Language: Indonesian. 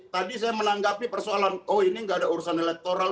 tadi saya menanggapi persoalan oh ini nggak ada urusan elektoral